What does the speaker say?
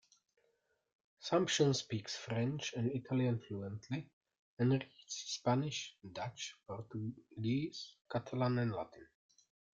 Sumption speaks French and Italian fluently, and reads Spanish, Dutch, Portuguese, Catalan and Latin.